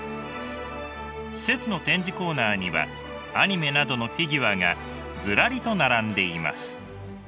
施設の展示コーナーにはアニメなどのフィギュアがズラリと並んでいます。